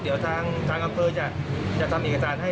เดี๋ยวข้างกลางเคยจะทำเอกจารน์ให้